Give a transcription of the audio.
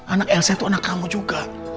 anak lc itu anak kamu juga